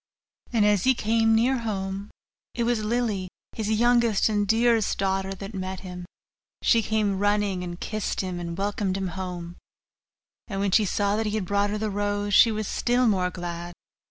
And as he came near home, it was Lily, his youngest and dearest daughter, that met him; she came running, and kissed him, and welcomed him home; and when she saw that he had brought her the rose, she was still more glad.